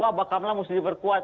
wah bakal lah mesti diperkuat